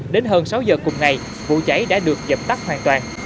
đến hơn sáu giờ cùng ngày vụ cháy đã được dập tắt hoàn toàn